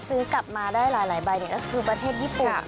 ที่กลับมาได้หลายใบนี้ก็คือประเทศญี่ปุ่ม